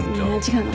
違うの。